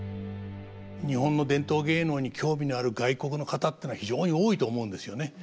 日本の伝統芸能に興味のある外国の方っていうのは非常に多いと思うんですよね。